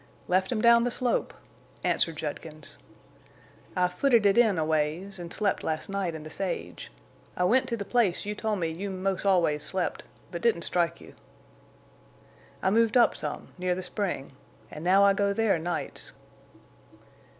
"Left him down the slope," answered Judkins. "I footed it in a ways, an' slept last night in the sage. I went to the place you told me you 'most always slept, but didn't strike you." "I moved up some, near the spring, an' now I go there nights."